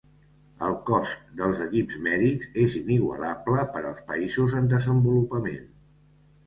El cost dels equips mèdics és inigualable per als països en desenvolupament.